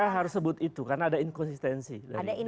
ya saya harus sebut itu karena ada inkonsistensi dari jokowi